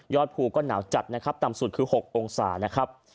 ยอดภูมิก็หนาวจัดนะครับต่ำสุดคือ๖องศาเซลเซียสนะครับ